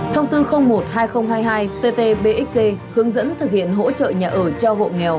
thông tư một hai nghìn hai mươi hai tt bxg hướng dẫn thực hiện hỗ trợ nhà ở cho hộ nghèo